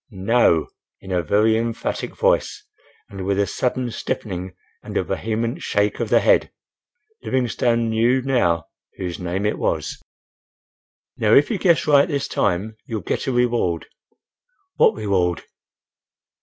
"No!!" in a very emphatic voice and with a sudden stiffening and a vehement shake of the head. Livingstone knew now whose name it was. "Now, if you guess right this time, you'll get a reward." "What reward?"